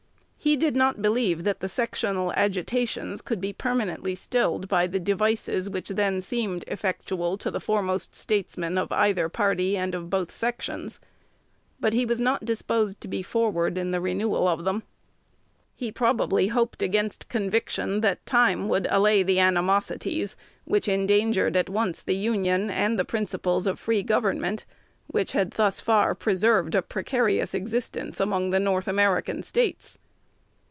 He did not believe that the sectional agitations could be permanently stilled by the devices which then seemed effectual to the foremost statesmen of either party and of both sections. But he was not disposed to be forward in the renewal of them. He probably hoped against conviction that time would allay the animosities which endangered at once the Union and the principles of free government, which had thus far preserved a precarious existence among the North American States.